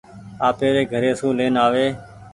آپيري گهري سون لين آوي ۔